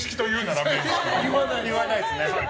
言わないですね。